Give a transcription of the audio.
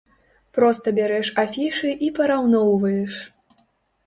Проста бярэш афішы і параўноўваеш!